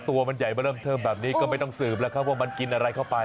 ตัวมันเยี่ยมเบลิ่มตื้อมแบบนี้ก็ไม่ต้องซื้มว่ามันกินอะไรเข้าไป